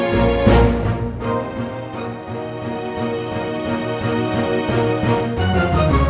nggak diangkat ma